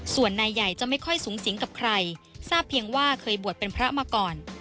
ส่วนนายใหญ่จะไม่ค่อยสูงสิงกับใครทราบเพียงว่าเคยบวชเป็นพระมาก่อน